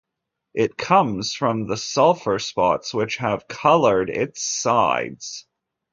It comes from the sulphur spots which have coloured its sides.